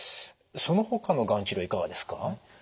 そのほかのがん治療いかがですか？